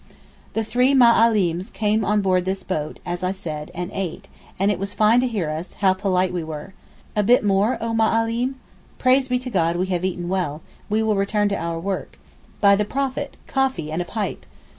The three Ma allims came on board this boat, as I said and ate; and it was fine to hear us—how polite we were. 'A bit more, oh Ma allim?' 'Praise be to God, we have eaten well—we will return to our work'; 'By the Prophet, coffee and a pipe.